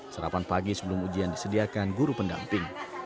serapan pagi sebelum ujian disediakan guru pendamping